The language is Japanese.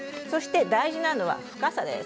大事なのは深さです。